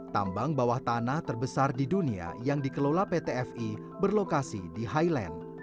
tambang bawah tanah terbesar di dunia yang dikelola pt fi berlokasi di highland